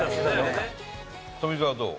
富澤、どう？